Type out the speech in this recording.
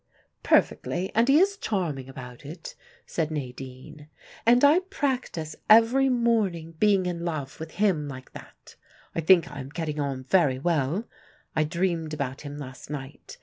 "Perfectly, and he is charming about it," said Nadine. "And I practise every morning being in love with him like that. I think I am getting on very well. I dreamed about him last night.